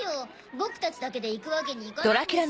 僕たちだけで行くわけにいかないですし。